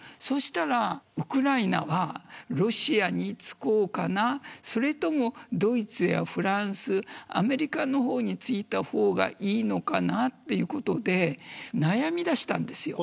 そうしたらウクライナはロシアにつこうかそれともドイツやフランスアメリカの方についたほうがいいのかなということで悩み出したんです。